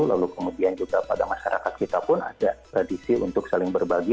lalu kemudian juga pada masyarakat kita pun ada tradisi untuk saling berbagi